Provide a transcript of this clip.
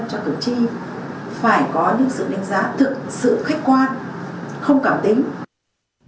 cho cử tri phải có những sự đánh giá thực sự khách quan không cảm tính